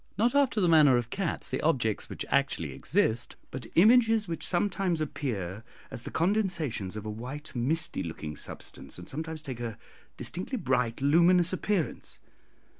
Not after the manner of cats the objects which actually exist but images which sometimes appear as the condensations of a white misty looking substance, and sometimes take a distinctly bright luminous appearance.